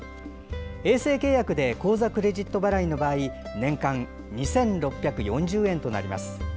衛星契約で口座・クレジット払いの場合年間２６４０円となります。